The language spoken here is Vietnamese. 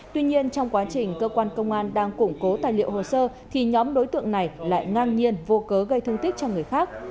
tuy nhiên trong quá trình cơ quan công an đang củng cố tài liệu hồ sơ thì nhóm đối tượng này lại ngang nhiên vô cớ gây thương tích cho người khác